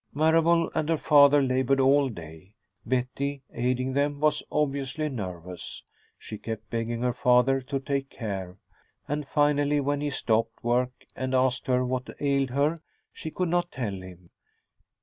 Marable and her father labored all day. Betty, aiding them, was obviously nervous. She kept begging her father to take care, and finally, when he stopped work and asked her what ailed her, she could not tell him.